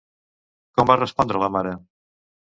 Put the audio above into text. Com va respondre la mare?